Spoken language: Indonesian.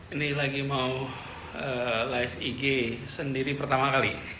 ini lagi mau live ig sendiri pertama kali